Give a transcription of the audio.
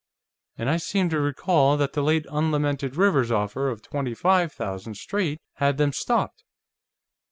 And I seem to recall that the late unlamented Rivers's offer of twenty five thousand straight had them stopped.